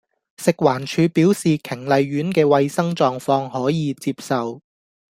食環署表示瓊麗苑既衛生狀況可以接受